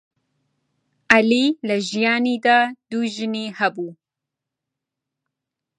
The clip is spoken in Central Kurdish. عەلی لە ژیانیدا دوو ژنی هەبوو.